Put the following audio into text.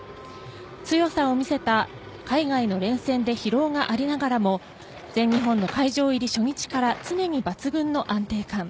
強さを見せた海外の連戦で疲労がありながらも全日本の会場入り初日からすでに抜群の安定感。